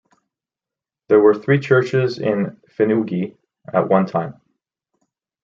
There were three churches in Finuge at one time.